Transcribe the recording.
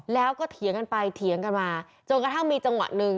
แล้วก็เถียงกันไปเถียงกันมาจนกระทั่งมีจังหวะหนึ่ง